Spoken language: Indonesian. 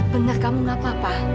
benar kamu gak apa apa